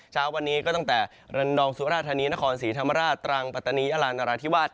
เช้าวันนี้ก็ตั้งแต่ระนองสุราธานีนครศรีธรรมราชตรังปัตตานีอลานราธิวาส